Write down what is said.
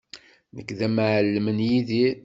Nekk d amɛellem n Yidir.